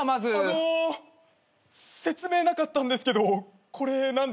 あの説明なかったんですけどこれ何ですか？